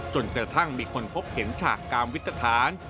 จนกระทั่งมีคนพบเห็นฉากกามวิทธาน